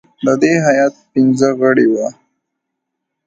د دې هیات پنځه غړي وه.